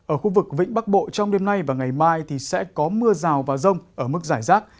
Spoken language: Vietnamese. ở khu vực vĩnh bắc bộ trong đêm nay và ngày mai thì sẽ có mưa rào và rông ở mức giải rác